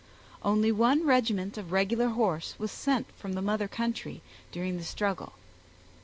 Only one regiment of regular horse was sent from the mother country, during the struggle.